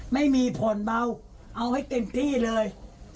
ไม่มีผ่อนเบาเอาให้เต็มที่เลย